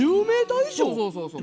そうそうそう。